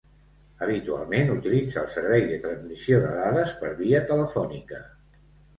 Habitualment utilitza el servei de transmissió de dades per via telefònica.